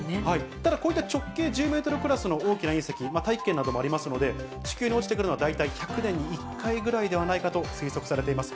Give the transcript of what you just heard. ただこういった１０メートル以上の大きな隕石、大気圏などもありますので、地球に落ちてくるのは大体１００年に１回ぐらいではないかと推測されています。